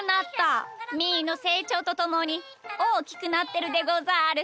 みーのせいちょうとともにおおきくなってるでござる。